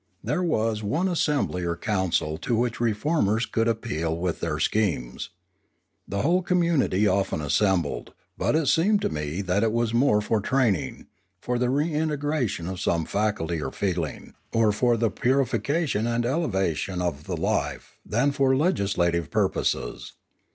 There was one assembly or council to which reformers could appeal with their schemes. The whole community often assembled; but it seemed to me that it was more for training, for the reintegra tion of some faculty or feeling, or for the purification 512 Limanora and elevation of the life, than for legislative purposes.